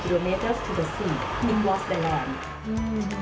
๒กิโลเมตรมาถึงที่นี่และได้หลังจากที่นี่